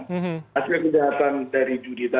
hasil penyihatan dari judi tadi kan